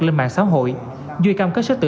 lên mạng xã hội duy cam kết sẽ tự